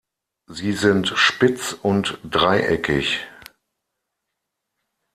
Sie sind spitz und dreieckig.